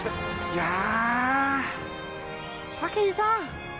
や武井さん！